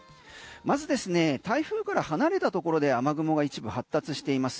まず台風から離れたところで雨雲が一部発達しています。